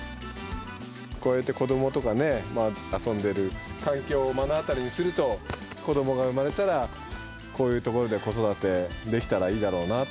こうやって子どもとかね、遊んでいる環境を目の当たりにすると、子どもが生まれたら、こういう所で子育てできたらいいだろうな。